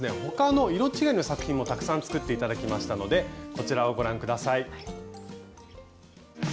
他の色違いの作品もたくさん作って頂きましたのでこちらをご覧下さい。